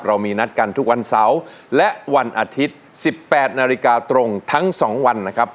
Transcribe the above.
เรามีนัดกันทุกวันเสาร์และวันอาทิตย์๑๘นาฬิกาตรงทั้ง๒วันนะครับ